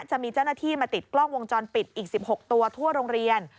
จะมีเจ้าหน้าที่มาติดกล้องวงจรปิดอีก๑๖ตัวทั่วโรงเรียน